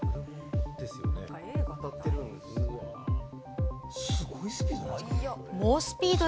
すごいスピード。